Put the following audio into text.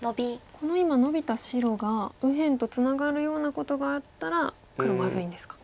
この今ノビた白が右辺とツナがるようなことがあったら黒まずいんですか。